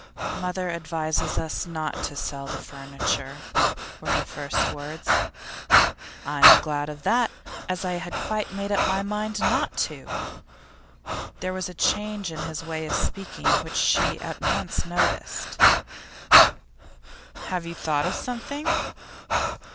'Mother advises us not to sell the furniture,' were her first words. 'I'm glad of that, as I had quite made up my mind not to.' There was a change in his way of speaking which she at once noticed. 'Have you thought of something?